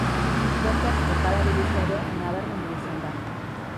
Poker jokalari gisa ere nabarmendu izan da.